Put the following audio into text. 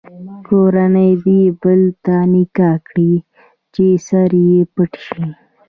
کورنۍ دې بل ته نکاح کړي چې سر یې پټ شي.